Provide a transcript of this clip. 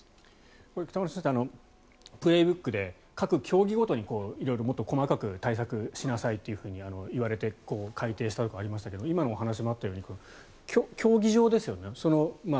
これ北村先生「プレーブック」で各競技ごとに色々もっと細かく対策しなさいといわれて改定したところがありましたが今のお話にもあったように競技場ですよね。